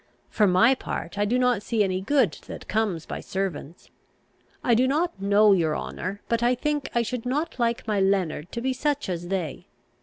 For my part, I do not see any good that comes by servants. I do not know, your honour, but, I think, I should not like my Leonard to be such as they.